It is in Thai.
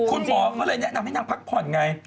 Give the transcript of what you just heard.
คุณหมอก็เลยแนะนำให้นางพักผ่อนไง